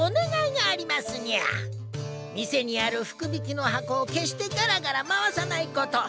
店にある福引きの箱を決してガラガラ回さないこと。